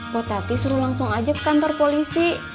pak tati suruh langsung aja ke kantor polisi